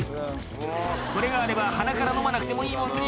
「これがあれば鼻から飲まなくてもいいもんね」